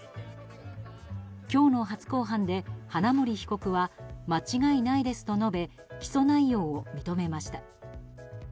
今日の初公判で花森被告は間違いないですと述べ起訴内容を認めました。